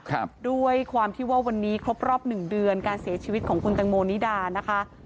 ด้วยความที่ว่าวันนี้ครบรอบหนึ่งเดือนการเสียชีวิตของคุณตังโมนิดานะคะ